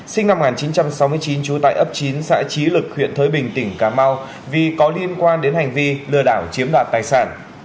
sinh năm một nghìn chín trăm sáu mươi chín trú tại ấp chín xã trí lực huyện thới bình tỉnh cà mau vì có liên quan đến hành vi lừa đảo chiếm đoạt tài sản